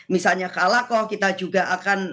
misalnya kalako kita juga akan